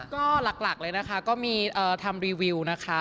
ก็หลักเลยนะคะก็มีทำรีวิวนะคะ